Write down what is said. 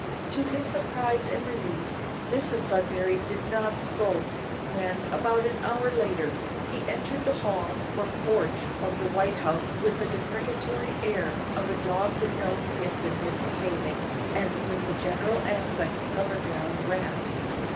To his surprise and relief; Mrs Sudberry did not scold when, about an hour later, he entered the hall or porch of the White House with the deprecatory air of a dog that knows he has been misbehaving, and with the general aspect of a drowned rat.